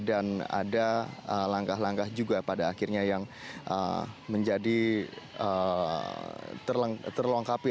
dan ada langkah langkah juga pada akhirnya yang menjadi terlengkapi